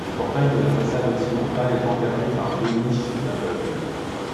Le portail de la façade occidental est encadré par deux niches aveugles.